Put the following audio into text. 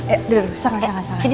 eh udah gak usah